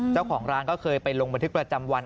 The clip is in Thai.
เจ้าของร้านก็เคยไปลงบันทึกประจำวัน